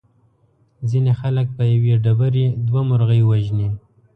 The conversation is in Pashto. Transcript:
ځینې خلک په یوې ډبرې دوه مرغۍ وژني.